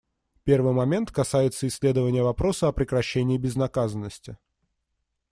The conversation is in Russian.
Первый момент касается исследования вопроса о прекращении безнаказанности.